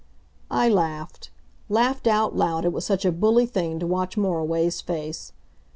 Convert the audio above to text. I laughed; laughed out loud, it was such a bully thing to watch Moriway's face.